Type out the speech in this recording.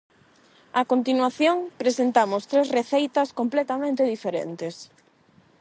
A continuación, presentamos tres receitas completamente diferentes: